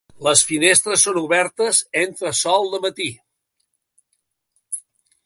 Les finestres són obertes, entra sol de matí.